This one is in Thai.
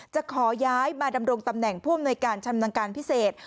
จะขอย้ายมาดำรงตำแหน่งผู้อำนวยการชำนาญการพิเศษ